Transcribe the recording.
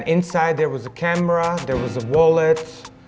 dan di dalamnya ada kamera ada wallet